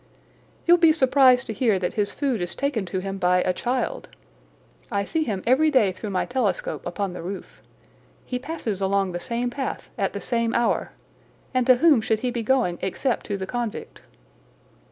"You'll be surprised to hear that his food is taken to him by a child. I see him every day through my telescope upon the roof. He passes along the same path at the same hour, and to whom should he be going except to the convict?"